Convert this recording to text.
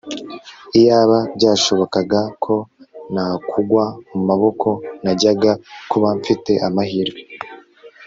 iyaba byashobokaga ko nakugwa mu maboko najyaga kuba mfite amahirwe